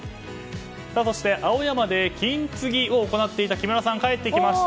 そして青山で金継ぎを行っていた木村さん帰ってきました。